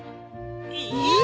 えっ！？